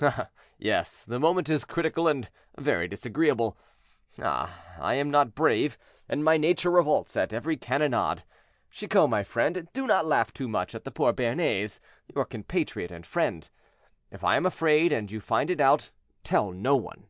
"Ah! yes, the moment is critical and very disagreeable. Ah! I am not brave, and my nature revolts at every cannonade. Chicot, my friend, do not laugh too much at the poor Béarnais, your compatriot and friend. If I am afraid and you find it out, tell no one."